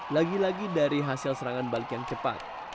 lagi lagi dari hasil serangan balik yang cepat